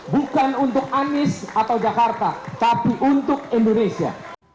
bukan untuk anies atau jakarta tapi untuk indonesia